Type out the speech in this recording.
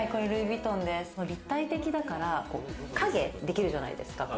立体的だから、影できるじゃないですか。